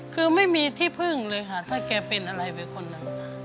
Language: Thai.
คือไม่มีที่พึ่งเลยค่ะถ้าแกเป็นอะไรไปคนนั้น